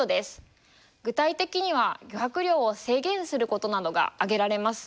具体的には漁獲量を制限することなどが挙げられます。